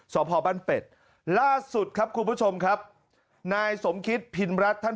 สอบพอบ้านเป็ดล่าสุดครับคุณผู้ชมครับนายสมคิตพินรัฐท่าน